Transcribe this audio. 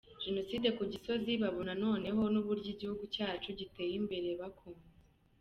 Jenoside ku Gisozi babona no neho n’uburyo Igihugu cyacu giteye imbeye, bakunze